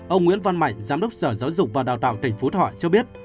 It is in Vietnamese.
ông nguyễn văn mạnh giám đốc sở giáo dục và đào tạo tỉnh phú thọ cho biết